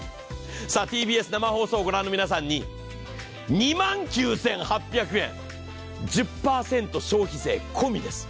ＴＢＳ生放送御覧の皆さんに、２万９８００円で１０％消費税込みです。